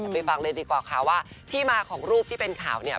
ไปฟังเลยดีกว่าค่ะว่าที่มาของรูปที่เป็นข่าวเนี่ย